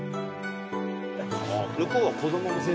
向こうは子供の。